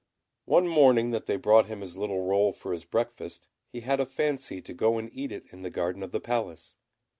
One morning that they brought him his little roll for his breakfast, he had a fancy to go and eat it in the garden of the Palace.